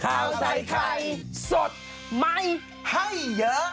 ข่าวใส่ไข่สดใหม่ให้เยอะ